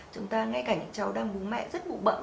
chúng ta ngay cảnh cháu đang bú mẹ rất bụ bẫm